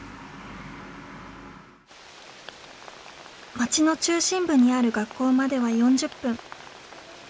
町の中心部にある学校までは４０分。